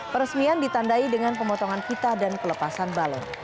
peresmian ditandai dengan pemotongan pita dan pelepasan balon